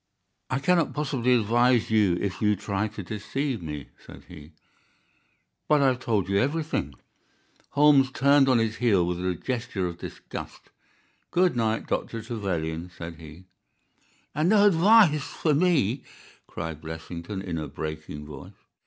"I cannot possibly advise you if you try to deceive me," said he. "But I have told you everything." Holmes turned on his heel with a gesture of disgust. "Good night, Dr. Trevelyan," said he. "And no advice for me?" cried Blessington, in a breaking voice.